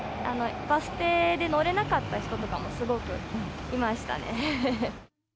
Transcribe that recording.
バス停で乗れなかった人とかもすごくいましたね。